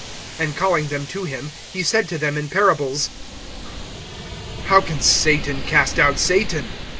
(23)And calling them to him, he said to them in parables: How can Satan cast out Satan?